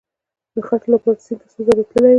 د خټو لپاره سیند ته څو ځله تللی وو.